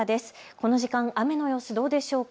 この時間、雨の様子、どうでしょうか。